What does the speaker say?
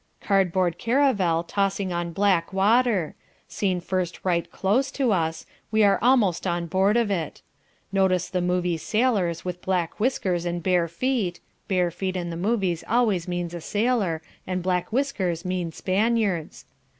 Cardboard caravel tossing on black water seen first right close to us we are almost on board of it. Notice the movie sailors with black whiskers and bare feet (bare feet in the movies always means a sailor, and black whiskers mean Spaniards).